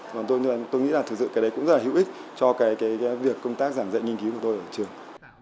còn tôi nghĩ là thực sự cái đấy cũng rất là hữu ích cho cái việc công tác giảng dạy nghiên cứu của tôi ở trường